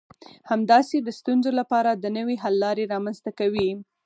همداسې د ستونزو لپاره د نوي حل لارې رامنځته کوي.